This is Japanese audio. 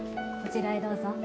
こちらへどうぞ。